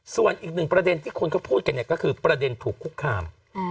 ส่วนอีกหนึ่งประเด็นที่คนเขาพูดกันเนี่ยก็คือประเด็นถูกคุกคาม